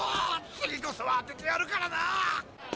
次こそは当ててやるからな！